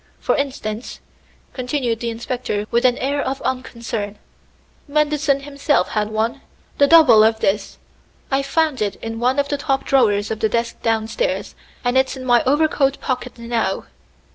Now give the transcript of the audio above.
For instance," continued the inspector with an air of unconcern, "Manderson himself had one, the double of this. I found it in one of the top drawers of the desk downstairs, and it's in my overcoat pocket now."